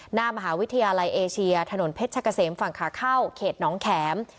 หน้ามหาวิทยาลัยเอเชียถนนเพชรกะเสมฝั่งขาเข้าเขตน้องแข็ม